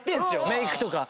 メイクとか。